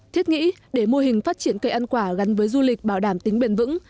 thiết nghĩ để mô hình phát triển cây ăn quả gắn với du lịch bảo đảm tính bền vững